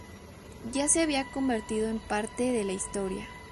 Ya se había convertido en parte de la historia.